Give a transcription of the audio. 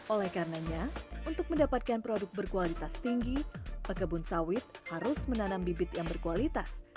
oleh karenanya untuk mendapatkan produk berkualitas tinggi pekebun sawit harus menanam bibit yang berkualitas